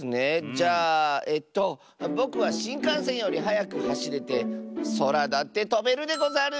じゃあえとぼくはしんかんせんよりはやくはしれてそらだってとべるでござる！